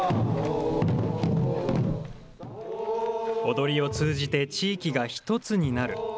踊りを通じて地域がひとつになる。